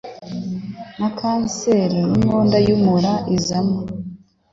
na kanseri y'inkondo y'umura izamo.